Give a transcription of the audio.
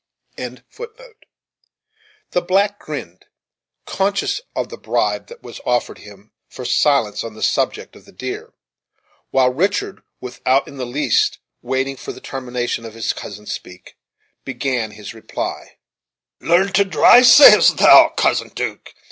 The black grinned, conscious of the bribe that was offered him for silence on the subject of the deer, while Richard, without in the least waiting for the termination of his cousin's speech, began his reply: "Learn to drive, sayest thou, Cousin 'Duke?